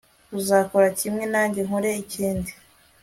uzakora kimwe nanjye nkore ikindi